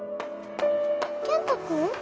健太君？